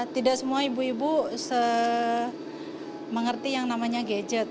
tidak semua ibu ibu mengerti yang namanya gadget